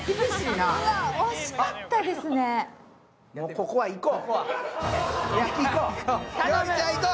ここはいこう！